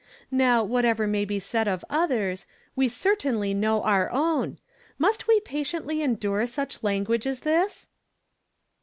Now, whatever may be said of others, we certainly know our own. Must we patiently en dure such language as this